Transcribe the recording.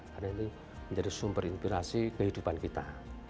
karena ini menjadi sumber inspirasi kehidupan kita